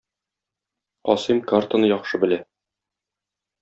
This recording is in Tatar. Касыйм картаны яхшы белә.